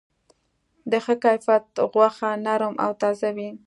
د ښه کیفیت غوښه نرم او تازه وي.